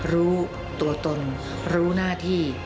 รู้ตัวตนรู้หน้าที่